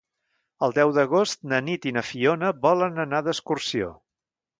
El deu d'agost na Nit i na Fiona volen anar d'excursió.